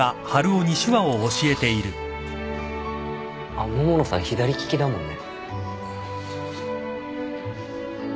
あっ桃野さん左利きだもんね。